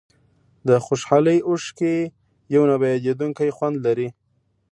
د خوشحالۍ اوښکې یو نه بیانېدونکی خوند لري.